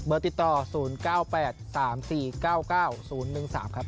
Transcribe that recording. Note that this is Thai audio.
ติดต่อ๐๙๘๓๔๙๙๐๑๓ครับ